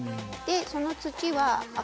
その土は。